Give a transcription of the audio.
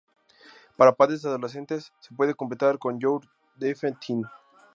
Para padres de adolescentes, se puede complementar con "Your Defiant Teen".